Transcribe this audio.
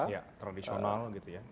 ya tradisional gitu ya